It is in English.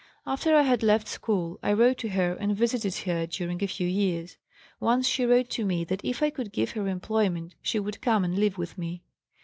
After I had left school I wrote to her and visited her during a few years. Once she wrote to me that if I could give her employment she would come and live with me.